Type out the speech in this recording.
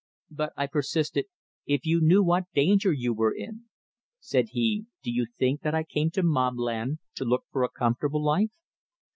"But," I persisted, "if you knew what danger you were in " Said he: "Do you think that I came to Mobland to look for a comfortable life?"